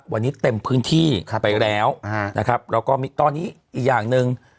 วันนี้เต็มพื้นที่ไปแล้วนะครับแล้วก็มีตอนนี้อีกอย่างหนึ่ง